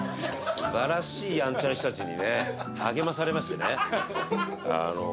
すばらしいやんちゃした人たちに励まされましてね